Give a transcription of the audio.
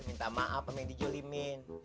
minta maaf sama dijolimin